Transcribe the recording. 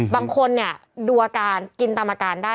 บางคนเนี่ยดูอาการกินตามอาการได้